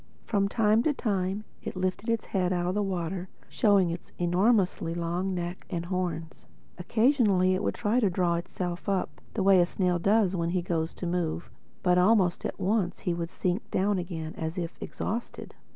From time to time it lifted its head out of the water showing its enormously long neck and horns. Occasionally it would try and draw itself up, the way a snail does when he goes to move, but almost at once it would sink down again as if exhausted.